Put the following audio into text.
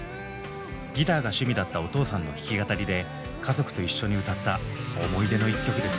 ギターが趣味だったお父さんの弾き語りで家族と一緒に歌った思い出の一曲です。